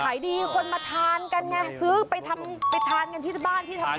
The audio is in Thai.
ขายดีคนมาทานกันไงซื้อไปทำไปทานกันที่บ้านที่ทำงาน